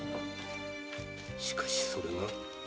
しかしそれが。